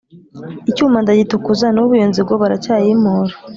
Icyuma ndagitukuza n’ubu iyo nzigo baracyayimpora!